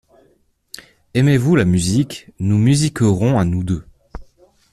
Aymez-vous la musicque? nous musicquerons à nous deux.